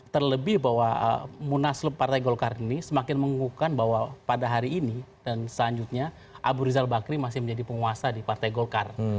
terlebih bahwa munaslup partai golkar ini semakin mengukuhkan bahwa pada hari ini dan selanjutnya abu rizal bakri masih menjadi penguasa di partai golkar